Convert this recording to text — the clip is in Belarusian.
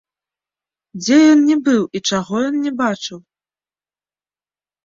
Дзе ён не быў і чаго ён не бачыў?